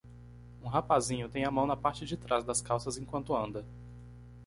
Um rapazinho tem a mão na parte de trás das calças enquanto anda.